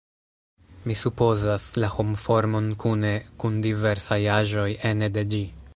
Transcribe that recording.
Mi supozas, la homformon kune kun diversaj aĵoj ene de ĝi.